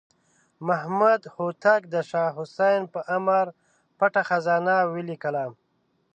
محمد هوتک د شاه حسین په امر پټه خزانه ولیکله.